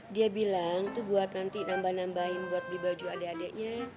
dia bilang tuh buat nanti nambah nambahin buat di baju adek adeknya